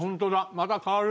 また変わる。